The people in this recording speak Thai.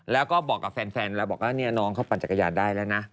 แล้วก็บอกกับแฟนแล้วบอกว่าน้องเขาปั่นจักรยานได้แล้วนะ